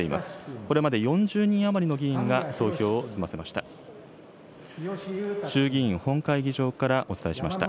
これまで４０人余りの議員が投票を済ませました。